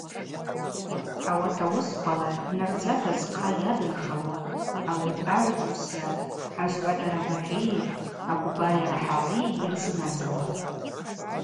Ауат ауысквала йнардзата зхъа йадынхалуа агӏвычӏвгӏвыс йакӏвпӏ азгӏвадара багъьи агвбайара хӏагӏи йырзынадзауа.